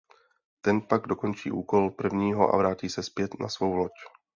Ten pak dokončí úkol prvního a vrátí se zpět na svou loď.